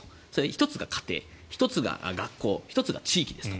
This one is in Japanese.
１つが家庭１つが学校１つが地域ですと。